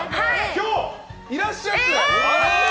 今日、いらっしゃいます！